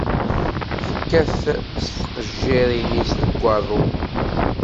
Tekkat s tqejjirin-is deg waḍu.